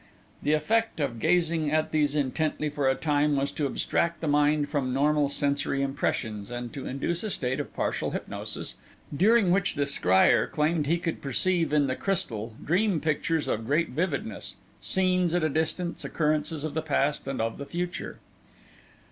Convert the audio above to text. The effect of gazing at these intently for a time was to abstract the mind from normal sensory impressions, and to induce a state of partial hypnosis during which the scryer claimed he could perceive in the crystal dream pictures of great vividness, scenes at a distance, occurrences of the past, and of the future.